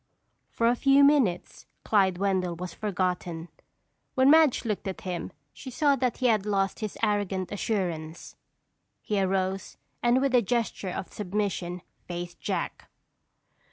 For a few minutes Clyde Wendell was forgotten. When Madge looked at him she saw that he had lost his arrogant assurance. He arose and with a gesture of submission faced Jack.